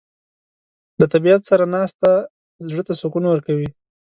له طبیعت سره ناستې زړه ته سکون ورکوي.